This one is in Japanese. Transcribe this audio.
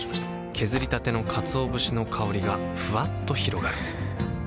削りたてのかつお節の香りがふわっと広がるはぁ。